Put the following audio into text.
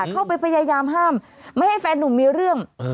เข้าไปพยายามห้ามไม่ให้แฟนนุ่มมีเรื่อง